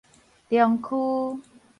中區